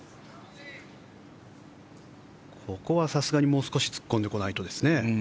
ここは、さすがにもう少し突っ込んでこないとですね。